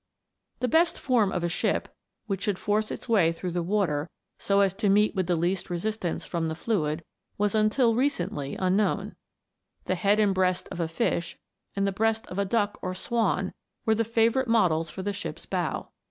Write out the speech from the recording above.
The best form of a ship, which should force its way through the water so as to meet with the least resistance from the fluid, was until recently unknown. The head and breast of a fish, and the breast of a duck or swan, were the favourite models for the ship's bow.